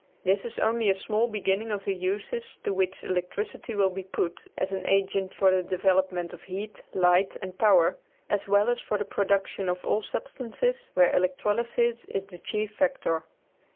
This is only a small beginning of the uses to which electricity will be put as an agent for the development of heat, light and power as well as for the production of all substances where electrolysis is the chief factor.